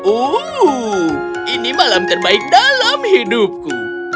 oh ini malam terbaik dalam hidupku